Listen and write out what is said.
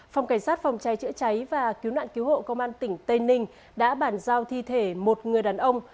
phòng cảnh sát phòng cháy chữa cháy và cứu nạn cứu hộ công an tỉnh tây ninh đã bàn giao thi thể một người đàn ông